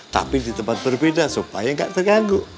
tapi di tempat berbeda supaya nggak terganggu